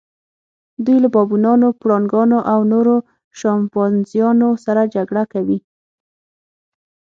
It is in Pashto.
دوی له بابونانو، پړانګانو او نورو شامپانزیانو سره جګړه کوي.